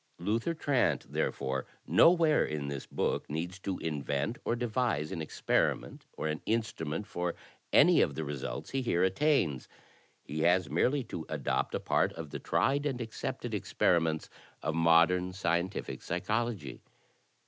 "Luther Trant, therefore, nowhere in this book needs to invent or devise an experiment or an instnunent for any of the results he here attains; he has merely to adopt a part of the tried and accepted experiments of modern, scientific psychology.